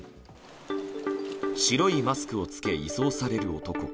白いマスクを着け移送される男。